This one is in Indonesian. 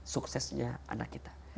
suksesnya anak kita